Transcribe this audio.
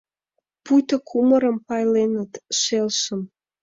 Пуйто кумырым пайленыт, шелшым.